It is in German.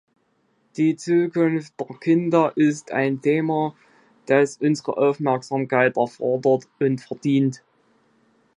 Die Zukunft der Kinder ist ein Thema, das unsere Aufmerksamkeit erfordert und verdient.